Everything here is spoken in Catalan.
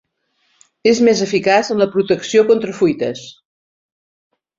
És més eficaç en la protecció contra fuites.